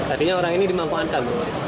artinya orang ini dimanfaatkan